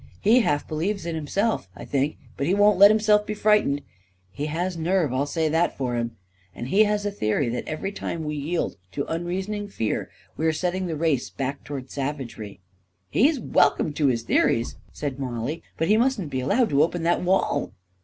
He half believes in it himself, I think, but he won't let himself be frightened. He has nerve — I'll say that for him — and he has a theory that 286 A KING IN BABYLON every time we yield to unreasoning fear, we are set ting the race back toward savagery." "He's welcome to his theories/' said Mollie; " but he mustn't be allowed to open that wall!